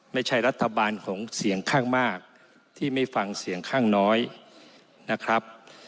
ไม่ใช่รัฐบาลของเสียงข้างมากที่ไม่ฟังเสียงข้างน้อยนะครับ